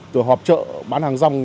từ họp trợ bán hàng rong